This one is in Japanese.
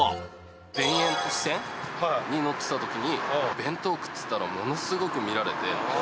田園都市線に乗ってたときに、弁当食ってたら、ものすごく見られて。